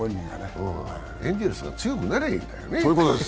エンゼルスが強くなりゃいいんだよね。